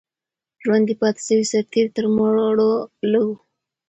ژوندي پاتې سوي سرتیري تر مړو لږ وو.